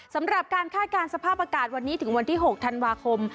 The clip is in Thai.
สำหรับการคาดการณ์สภาพอากาศวันนี้ถึงวันที่๖ธันวาคม